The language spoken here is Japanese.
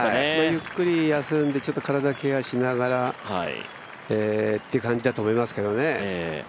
ゆっくり休んで体をケアしながらという感じだと思いますけどね。